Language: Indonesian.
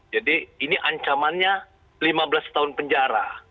jadi ini ancamannya lima belas tahun penjara